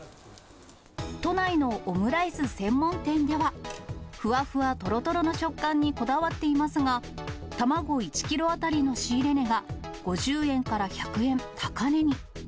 都内のオムライス専門店では、ふわふわとろとろの食感にこだわっていますが、卵１キロ当たりの仕入れ値が５０円から１００円、高値に。